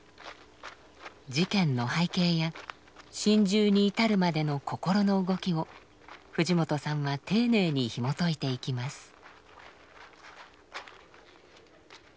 事件の背景や心中に至るまでの心の動きを藤本さんは丁寧にひもといていきます。